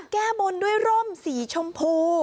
แก้บนด้วยล้มศรีชมพู